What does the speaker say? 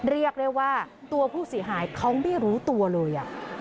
เรียกได้ว่าตัวผู้เสียหายเขาไม่รู้ตัวเลย